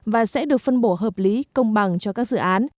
và sẽ được phân bổ hợp lý công bằng cho các dự án